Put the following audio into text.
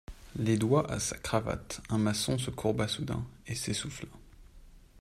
Les doigts à sa cravate, un maçon se courba soudain et s'essouffla.